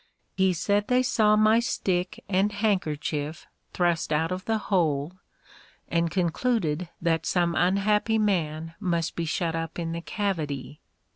He said they saw my stick and handkerchief thrust out of the hole, and concluded that some unhappy man must be shut up in the cavity.